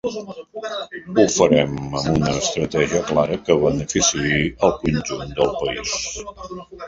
Ho farem amb una estratègia clara que beneficiï el conjunt del país.